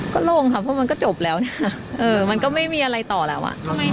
ก็โล่งค่ะเพราะมันก็จบแล้วนะมันก็ไม่มีอะไรต่อแล้วอ่ะ